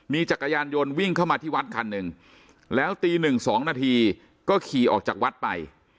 มีจักรยานยนต์วิ่งเข้ามาที่วัดคันหนึ่งแล้วตีหนึ่งสองนาทีก็ขี่ออกจากวัดไป